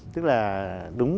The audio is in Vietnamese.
tức là đúng